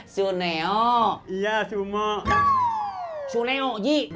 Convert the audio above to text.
temennya nobita sama doraemon yang kecil